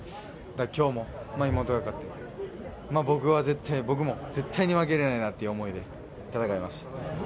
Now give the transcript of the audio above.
今日も妹が勝って僕は絶対に負けられないなという思いで戦いました。